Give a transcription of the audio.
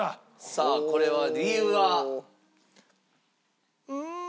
さあこれは理由は？